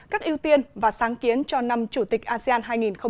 các ưu tiên và sáng kiến cho năm chủ tịch asean hai nghìn hai mươi